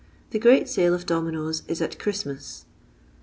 The great sale of dominoes is at Christmas.